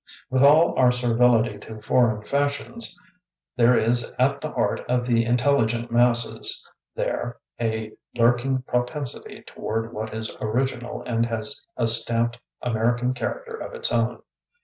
With^ aU our servility to foreign fashions, there is at the heart of the intelligent masses there a lurk ing propensity toward what is original, and has a stamped American character of its own.